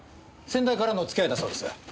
先代からの付き合いだそうです。